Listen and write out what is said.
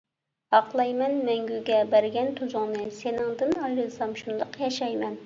ئاقلايمەن مەڭگۈگە بەرگەن تۇزۇڭنى، سېنىڭدىن ئايرىلسام، شۇنداق ياشايمەن.